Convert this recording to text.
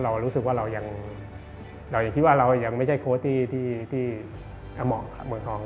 เรารู้สึกว่าเรายังคิดว่าเรายังไม่ใช่โค้ชที่เหมาะกับเมืองทอง